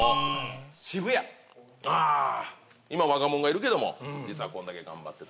ピンポン今若者がいるけども実はこんだけ頑張ってた。